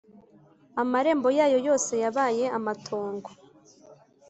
amarembo yayo yose yabaye amatongo,